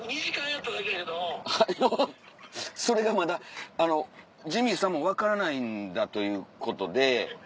おぉそれがまだジミーさんも分からないんだということで。